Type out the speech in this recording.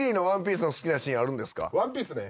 『ワンピース』ね。